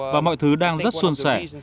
và mọi thứ đang rất xuân sẻ